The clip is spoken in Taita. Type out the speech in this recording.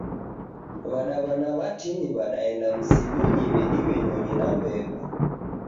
Wadawana watini wadaenda msidunyi widiwe nyonyi na mbewa